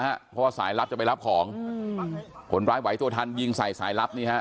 เพราะว่าสายลับจะไปรับของอืมคนร้ายไหวตัวทันยิงใส่สายลับนี่ฮะ